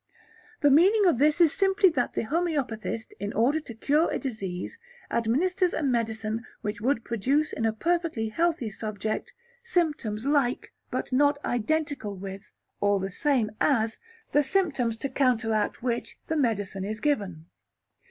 The meaning of this is simply that the homoeopathist in order to cure a disease, administers a medicine which would produce in a perfectly healthy subject, symptoms like, but not identical with or the same as, the symptoms to counteract which the medicine is given.